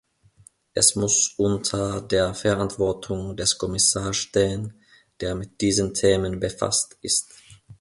Es muss unter der Verantwortung des Kommissars stehen, der mit diesen Themen befasst ist.